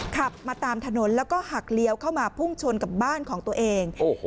ขับมาตามถนนแล้วก็หักเลี้ยวเข้ามาพุ่งชนกับบ้านของตัวเอง